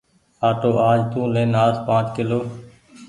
آٽو آج تو لين آس پآنچ ڪلو۔